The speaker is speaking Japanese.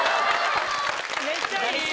めっちゃいい！